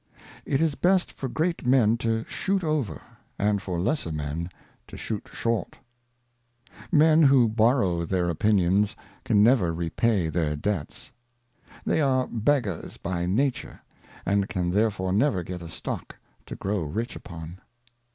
It is best for great Men to shoot over, and for lesser Men to shoot short. MEN who borrow their Opinions can never repay their Debts. Bon ow They are Beggars by Nature, and can therefore never get *? "f ^i"' a Stock to grow rich upon.